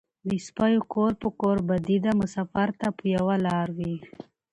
ـ د سپيو کور په کور بدي ده مسافر ته په يوه لار وي.